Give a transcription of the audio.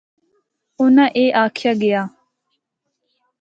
اُناں اے آکھیا گیا۔